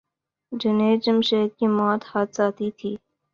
جنید جمشید کی موت حادثاتی تھی۔